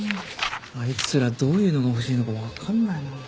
あいつらどういうのが欲しいのか分かんないな。